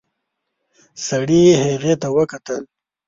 سړي هغې ته وکتل.